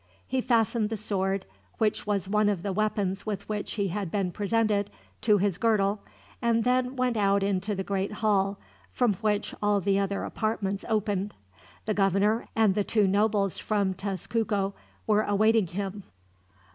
He fastened the sword, which was one of the weapons with which he had been presented, to his girdle; and then went out into the great hall, from which all the other apartments opened. The governor and the two nobles from Tezcuco were awaiting him.